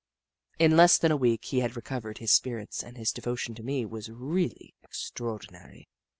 In less than a week he had recovered his spirits, and his devotion to me was really ex traordinary.